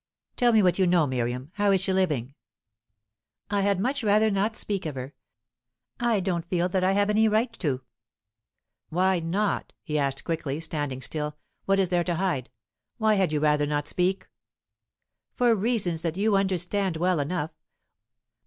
"Tell me what you know, Miriam. How is she living?" "I had much rather not speak of her. I don't feel that I have any right to." "Why not?" he asked quickly, standing still. "What is there to hide? Why had you rather not speak?" "For reasons that you understand well enough.